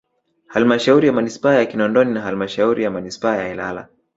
Halmashauri ya Manispaa ya Kinondoni na halmasahauri ya manispaa ya Ilala